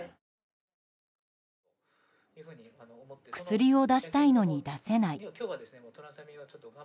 薬を出したいのに出せない。